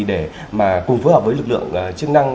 để cùng phối hợp với lực lượng chức năng